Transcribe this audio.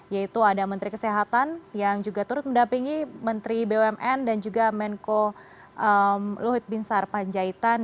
yaitu ada menteri kesehatan yang juga turut mendampingi menteri bumn dan juga menko luhut bin sarpanjaitan